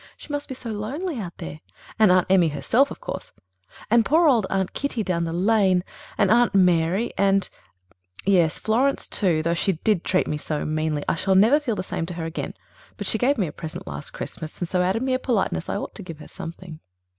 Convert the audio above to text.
She must be so lonely out there. And Aunt Emmy herself, of course; and poor old Aunt Kitty down the lane; and Aunt Mary and, yes Florence too, although she did treat me so meanly. I shall never feel the same to her again. But she gave me a present last Christmas, and so out of mere politeness I ought to give her something."